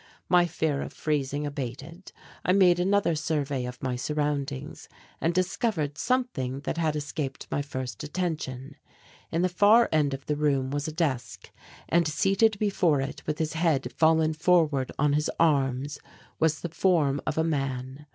My fear of freezing abated, I made another survey of my surroundings and discovered something that had escaped my first attention. In the far end of the room was a desk, and seated before it with his head fallen forward on his arms was the form of a man.